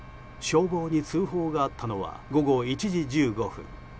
消防に通報があったのは午後１時１５分。